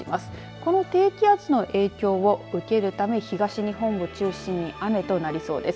この低気圧の影響を受けるため東日本を中心に雨となりそうです。